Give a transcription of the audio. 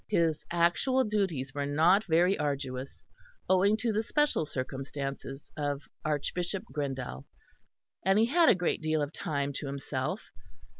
His actual duties were not very arduous owing to the special circumstances of Archbishop Grindal; and he had a good deal of time to himself.